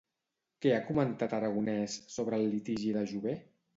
Què ha comentat Aragonès sobre el litigi de Jové?